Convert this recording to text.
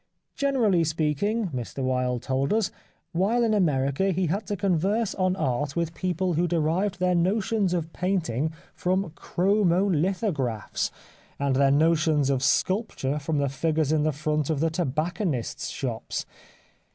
Generally speaking, Mr Wilde told us, while in America he had to converse on art with people who derived their notions of painting from chromo lithographs, p 225 The Life of Oscar Wilde and their notions of sculpture from the figures in front of the tobacconist's shops.